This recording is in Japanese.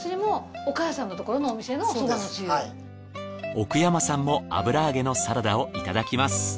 奥山さんも油揚げのサラダをいただきます。